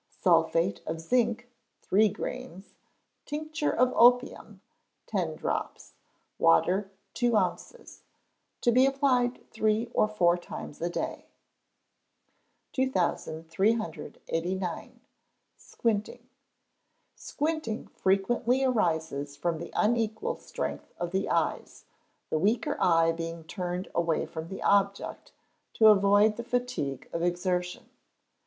Sulphate of zinc, three grains; tincture of opium, ten drops; water, two ounces. To be applied three or four times a day. 2389. Squinting. Squinting frequently arises from the unequal strength of the eyes, the weaker eye being turned away from the object, to avoid the fatigue of exertion.